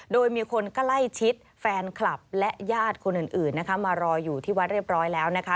โดยมีคนใกล้ชิดแฟนคลับและญาติคนอื่นนะคะมารออยู่ที่วัดเรียบร้อยแล้วนะคะ